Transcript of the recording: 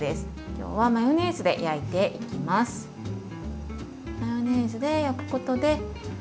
今日はマヨネーズで焼いていきます。